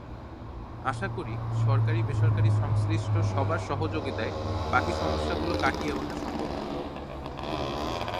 আশা করি, সরকারি-বেসরকারি সংশ্লিষ্ট সবার সহযোগিতায় বাকি সমস্যাগুলো কাটিয়ে ওঠা সম্ভব হবে।